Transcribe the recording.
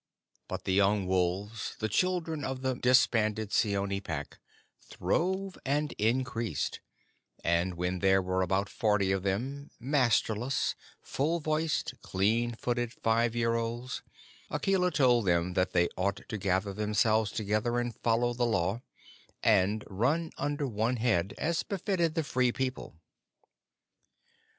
But the young wolves, the children of the disbanded Seeonee Pack, throve and increased, and when there were about forty of them, masterless, full voiced, clean footed five year olds, Akela told them that they ought to gather themselves together and follow the Law, and run under one head, as befitted the Free People.